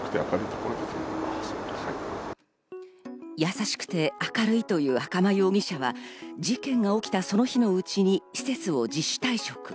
優しくて明るいという赤間容疑者は、事件が起きたその日のうちに施設を自主退職。